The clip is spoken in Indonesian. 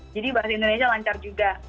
jadi bahasa indonesia lancar juga